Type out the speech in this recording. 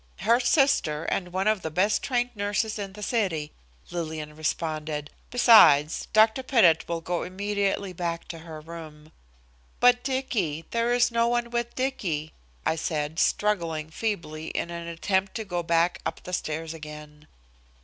"Her sister and one of the best trained nurses in the city," Lillian responded. "Besides, Dr. Pettit will go immediately back to her room." "But Dicky, there is no one with Dicky," I said, struggling feebly in an attempt to go back up the stairs again.